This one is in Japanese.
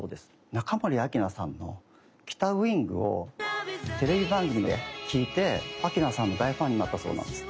中森明菜さんの「北ウイング」をテレビ番組で聴いて明菜さんの大ファンになったそうなんです。